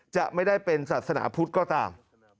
จะไม่ได้เป็นศาสนาพุทธก็ตาม